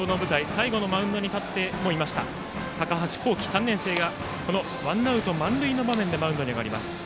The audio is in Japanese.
最後のマウンドに立っていました高橋煌稀、３年生がワンアウト満塁の場面でマウンドに上がります。